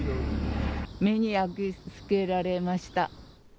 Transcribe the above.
目に焼きつけられました。